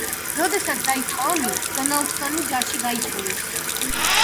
როდესაც დაიწყო ომი, დონალდსონი ჯარში გაიწვიეს.